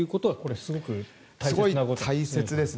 すごい大切ですね。